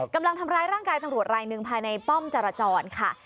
กำลังทำร้ายร่างกายตำรวจรายหนึ่งภายในป้อมจรจรค่ะ